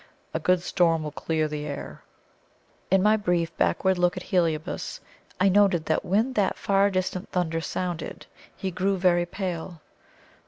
A good storm will clear the air." In my brief backward look at Heliobas, I noted that when that far distant thunder sounded, he grew very pale.